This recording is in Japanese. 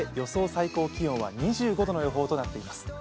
最高気温は２５度の予報となっています。